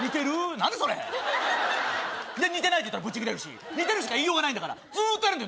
何だそれで似てないって言ったらブチギレるし似てるしか言いようがないんだからずっとやるんだよ